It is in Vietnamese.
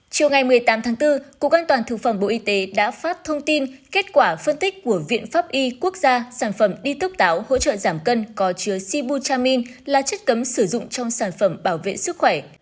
chiều ngày một mươi tám tháng bốn cục an toàn thực phẩm bộ y tế đã phát thông tin kết quả phân tích của viện pháp y quốc gia sản phẩm đi thuốc táo hỗ trợ giảm cân có chứa sibu chamin là chất cấm sử dụng trong sản phẩm bảo vệ sức khỏe